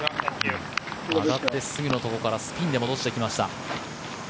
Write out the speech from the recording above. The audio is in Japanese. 上がってすぐのところからスピンで戻してきました。